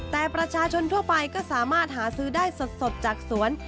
แต่ประชาชนทั่วไปก็สามารถหาซื้อได้สดจากสวน